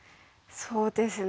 そうですね。